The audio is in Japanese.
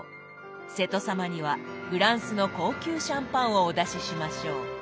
瀬戸様にはフランスの高級シャンパンをお出ししましょう。